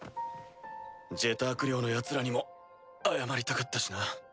ジェターク寮のヤツらにも謝りたかったしな。